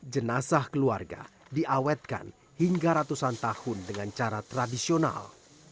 jenazah keluarga diawetkan hingga ratusan tahun dengan cara tradisional